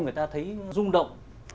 người ta thấy rung động